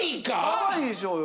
可愛いでしょうよ。